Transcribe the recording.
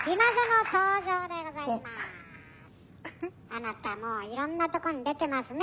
「あなたもういろんなとこに出てますね」。